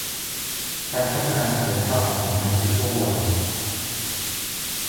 การพัฒนาศักยภาพของคนไทยทุกช่วงวัย